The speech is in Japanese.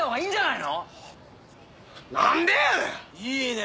いいね！